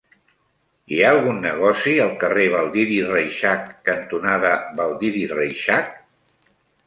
Hi ha algun negoci al carrer Baldiri Reixac cantonada Baldiri Reixac?